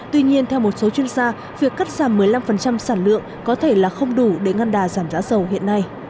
tuy nhiên theo một số chuyên gia việc cắt giảm một mươi năm sản lượng có thể là không đủ để ngăn đà giảm giá dầu hiện nay